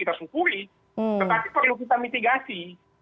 tetapi perlu kita mitigasi